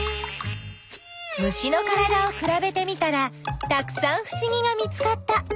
虫のからだをくらべてみたらたくさんふしぎが見つかった。